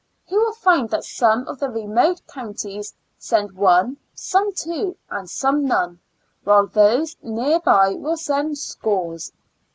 He will find that some of the remote counties send one, some two, and some none, while those near by will send scores.